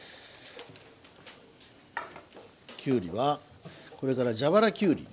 きゅうりはこれから蛇腹きゅうりに。